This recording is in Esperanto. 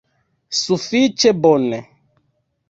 Sufiĉe bone